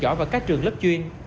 rõ vào các trường lớp chuyên